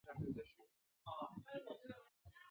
以天使长米迦勒命名。